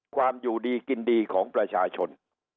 ความอยู่ดีกินดีของประชาชน